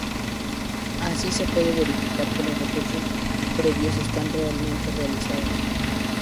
Así se puede verificar que los recursos previstos están realmente realizados.